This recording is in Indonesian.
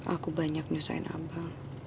aku banyak nyusahin abang